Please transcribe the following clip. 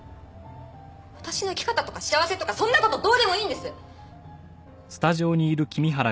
私の生き方とか幸せとかそんな事どうでもいいんです！